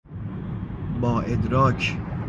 با ادراک